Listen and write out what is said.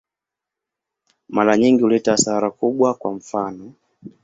Mara nyingi huleta hasara kubwa, kwa mfano.